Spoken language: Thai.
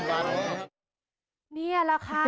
บางเพลินบางเป็น